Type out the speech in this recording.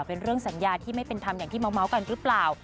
เป็นเรื่องสัญญาที่ไม่เป็นธรรมอย่างที่เมาส์กันหรือเปล่า